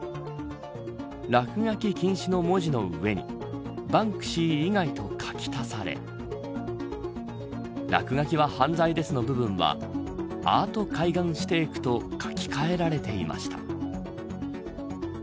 落書き禁止の文字の上にバンクシー以外と書き足され落書きは犯罪です、の部分はアート海岸指定区と書き換えられていました。